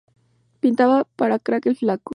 Pintaba para crack "El flaco".